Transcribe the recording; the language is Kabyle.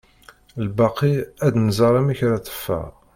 Lbaqi ad nẓer amek ara teffeɣ.